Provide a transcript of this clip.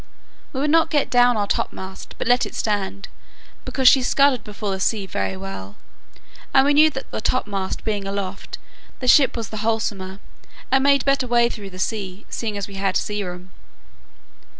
We would not get down our topmast, but let all stand, because she scudded before the sea very well, and we knew that the top mast being aloft, the ship was the wholesomer, and made better way through the sea, seeing we had sea room.